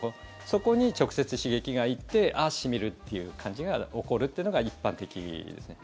そこに直接刺激が行ってあっ、染みるという感じが起こるというのが一般的ですね。